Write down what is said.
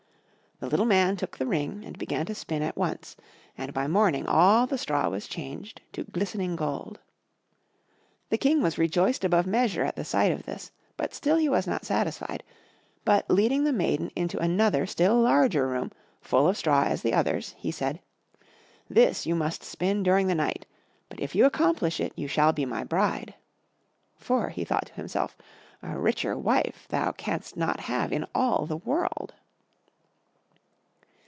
The little Man took the ring and began to spin at once, and by morning all the straw was changed to glistening gold. The King was rejoiced above measure at the sight of this, but still he was not satisfied, but, leading the maiden into another still larger room, full of straw as the others, he said, "This you must spin during the night; but if you accomplish it you shall be my bride." "For," thought he to himself, "a richer wife thou canst not have in all the world."